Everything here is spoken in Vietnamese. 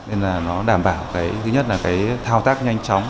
nên là nó đảm bảo thứ nhất là thao tác nhanh chóng